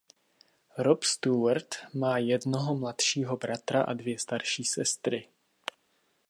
Rob Stewart má jednoho mladšího bratra a dvě starší sestry.